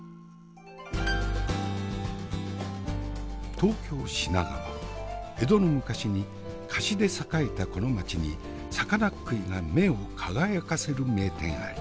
東京品川江戸の昔に河岸で栄えたこの町に魚っ食いが目を輝かせる名店あり。